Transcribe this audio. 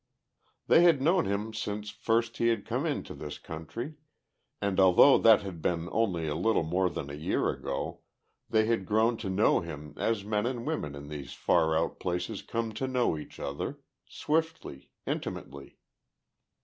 They had known him since first he had come into this country, and although that had been only a little more than a year ago, they had grown to know him as men and women in these far out places come to know each other, swiftly, intimately.